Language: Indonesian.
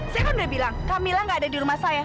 saya kan sudah bilang kamilah tidak ada di rumah saya